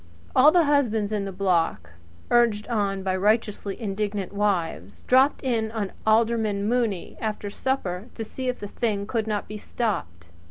All the husbands in the block, urged on by righteously indignant wives, dropped in on Alderman Mooney after supper to see if the thing could not be stopped.